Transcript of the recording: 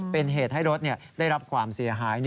เป็นเหตุให้รถได้รับความเสียหาย